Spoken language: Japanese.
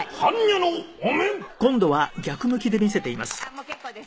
「もう結構です。